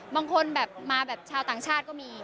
บางคนแบบมาแบบชาวต่างชาติก็มี